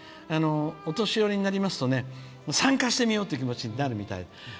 お年寄りになりますとね参加してみようっていう気持ちになるみたい。